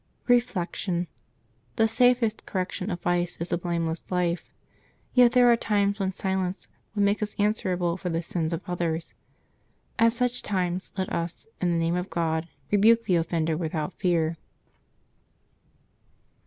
Reflection. — The safest correction of vice is a blameless life. Yet there are times when silence would make us answerable for the sins of others. At such times let us, in the name of God, rebuke the offender without fear.